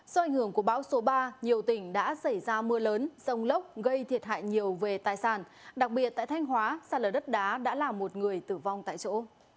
do ảnh hưởng của bão số ba nhiều tỉnh đã xảy ra mưa lớn rông lốc gây thiệt hại nhiều về tài sản đặc biệt tại thanh hóa sạt lở đất đá đã làm một người tử vong tại chỗ